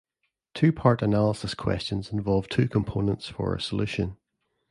Two-part analysis questions involve two components for a solution.